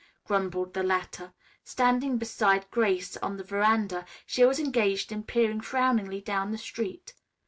grumbled the latter. Standing beside Grace on the veranda, she was engaged in peering frowningly down the street.